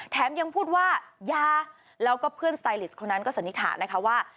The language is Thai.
ยังพูดว่ายาแล้วก็เพื่อนสไตลิสคนนั้นก็สันนิษฐานนะคะว่า